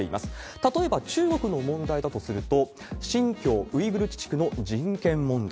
例えば中国の問題だとすると、新疆ウイグル自治区の人権問題。